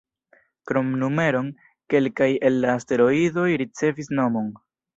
Krom numeron, kelkaj el la asteroidoj ricevis nomon.